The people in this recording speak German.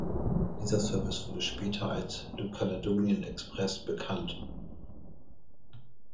Dieser Service wurde später als „le Caledonian Express“ bekannt.